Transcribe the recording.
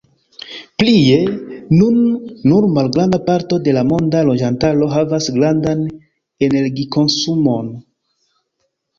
Plie, nun nur malgranda parto de la monda loĝantaro havas grandan energikonsumon.